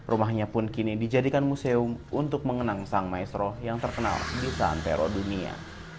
rumahnya pun kini dijadikan museum untuk mengenang sang maestro yang terkenal di santero dunia